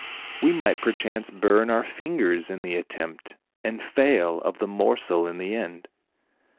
We might perchance burn our fingers in the attempt, and fail of the morsel in the end."